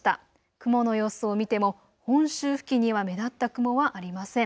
雲の様子を見ても本州付近には目立った雲はありません。